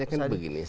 saya kan begini